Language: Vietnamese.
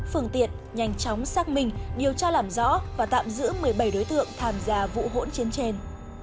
phương tiện nhanh chóng xác minh điều tra làm rõ và tạm giữ một mươi bảy đối tượng tham gia vụ hỗn chiến trên